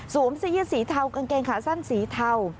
สวมสีสีเทากางเกงขาสั้นสีเทา